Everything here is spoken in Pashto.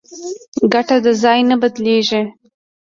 کټه د ځای نه بدلېږي.